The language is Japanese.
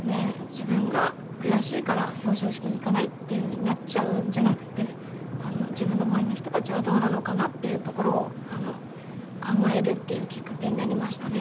自分が悔しいから表彰式に行かないっていうふうになっちゃうんじゃなくて自分の周りの人たちはどうなのかなっていうところを考えるっていうきっかけになりましたね。